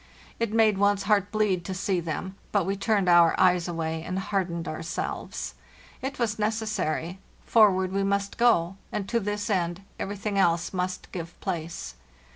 It made one's heart bleed to see them, but we turned our eyes away and hardened ourselves. It was necessary; for ward we must go, and to this end everything else must give place.